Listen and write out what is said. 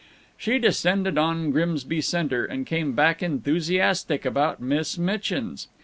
She descended on Grimsby Center, and came back enthusiastic about Miss Mitchin's.